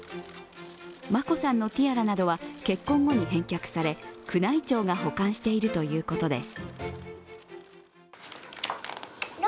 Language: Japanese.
眞子さんのティアラなどは結婚後に返却され宮内庁が保管しているということです。